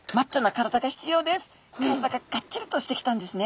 体ががっちりとしてきたんですね。